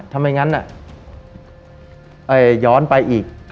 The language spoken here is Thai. ทำไมงั้นย้อนไปอีก